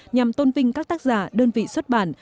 nhằm tôn vinh các tác giả đơn vị xuất bản